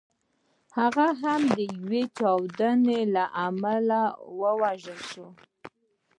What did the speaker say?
هغه هم د یوې چاودنې له امله ووژل شو.